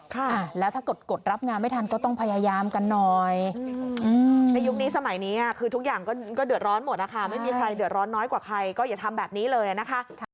ค่ะแล้วถ้ากดรับงานไม่ทันก็ต้องพยายามกันหน่อยในยุคนี้สมัยนี้คือทุกอย่างก็เดือดร้อนหมดนะคะไม่มีใครเดือดร้อนน้อยกว่าใครก็อย่าทำแบบนี้เลยนะคะ